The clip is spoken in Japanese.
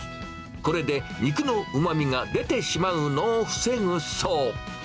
これで肉のうまみが出てしまうのを防ぐそう。